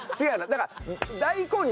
だから。